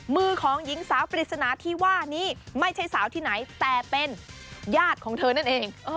มือของหญิงสาวปริศนาที่ว่านี้ไม่ใช่สาวที่ไหนแต่เป็นญาติของเธอนั่นเอง